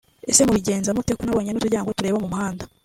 Ese mubigenza mute ko nabonye n’uturyango tureba mu muhanda